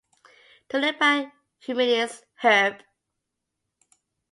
Tulipa humilis Herb.